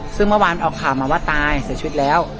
ซึ่งเมื่อวานออกข่าวมาว่าตายเสียชีวิตแล้ว